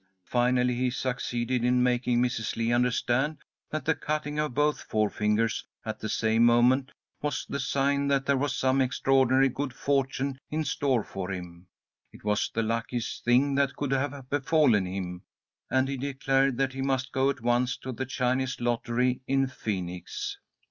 Finally he succeeded in making Mrs. Lee understand that the cutting of both forefingers at the same moment was the sign that there was some extraordinary good fortune in store for him. It was the luckiest thing that could have befallen him, and he declared that he must go at once to the Chinese lottery in Phoenix.